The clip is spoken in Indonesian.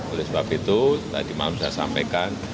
oleh sebab itu tadi malam saya sampaikan